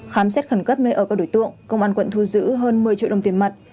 khám xét khẩn cấp nơi ở của đối tượng công an quận thu giữ hơn một mươi triệu đồng tiền mặt